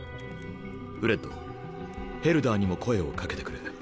フレッドヘルダーにも声を掛けてくれ。